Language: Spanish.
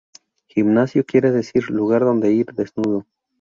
Gimnasio quiere decir "lugar donde ir desnudo".